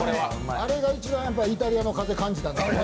あれが一番イタリアの風感じた。